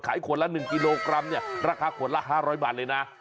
ขวดละ๑กิโลกรัมเนี่ยราคาขวดละ๕๐๐บาทเลยนะ